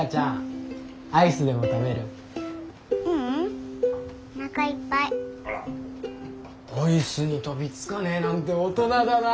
アイスに飛びつかねえなんて大人だな。